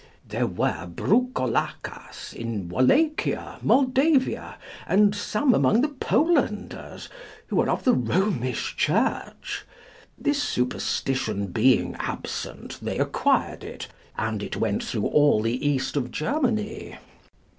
There were "broucolacas" in Wallachia, Moldavia, and some among the Polanders, who are of the Romish church. This superstition being absent, they acquired it, and it went through all the east of Germany.